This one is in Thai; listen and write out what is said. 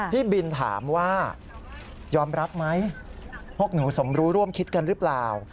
พี่บินถามว่ายอมรับไหมพวกหนูสมรู้ร่วมคิดกันหรือเปล่า